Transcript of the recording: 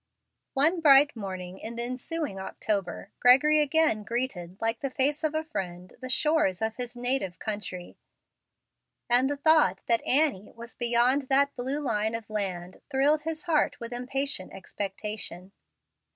One bright morning, in the ensuing October, Gregory again greeted, like the face of a friend, the shores of his native country, and the thought that Annie was beyond that blue line of land thrilled his heart with impatient expectation.